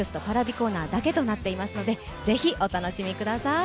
コーナーだけとなっていますので、ぜひお楽しみください。